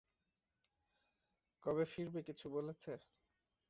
কবে ফিরবে কিছু বলেছে?